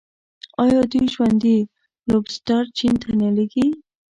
آیا دوی ژوندي لوبسټر چین ته نه لیږي؟